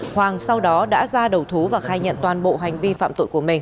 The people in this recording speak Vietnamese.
hoàng sau đó đã ra đầu thú và khai nhận toàn bộ hành vi phạm tội của mình